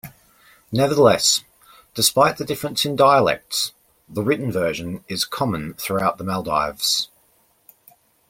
Nevertheless, despite the difference in dialects, the written version is common throughout the Maldives.